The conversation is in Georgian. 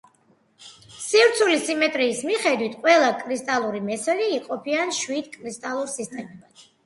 სივრცული სიმეტრიის მიხედვით, ყველა კრისტალური მესერი იყოფიან შვიდ კრისტალურ სისტემად.